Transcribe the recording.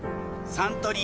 サントリー